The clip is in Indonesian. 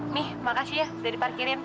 nih makasih ya sudah diparkirin